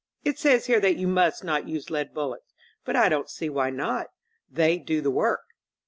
It says here that you must not use lead bullets; but I don't see why not. They do the work."